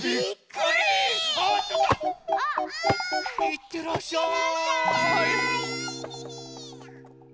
いってらっしゃい。